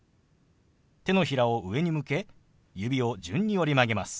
手のひらを上に向け指を順に折り曲げます。